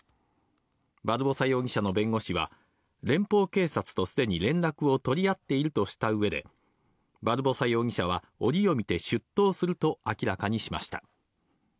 バルボサ容疑者の弁護士は、連邦警察とすでに連絡を取り合っているとした上で、バルボサ容疑者は、折を見て出頭すると明らかにしました。